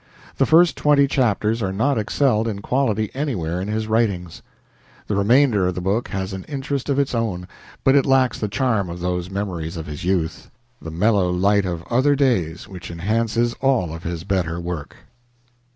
The first twenty chapters are not excelled in quality anywhere in his writings. The remainder of the book has an interest of its own, but it lacks the charm of those memories of his youth the mellow light of other days which enhances all of his better work.